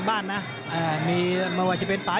วันนี้เดี่ยงไปคู่แล้วนะพี่ป่านะ